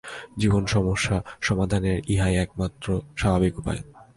জীবনসমস্যা-সমাধানের ইহাই একমাত্র স্বাভাবিক উপায়।